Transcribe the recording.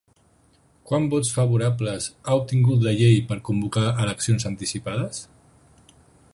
Quants vots favorables ha obtingut la llei per a convocar eleccions anticipades?